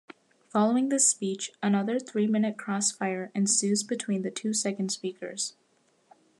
Following this speech, another three-minute crossfire ensues between the two second speakers.